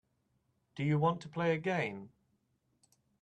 Do you want to play a game.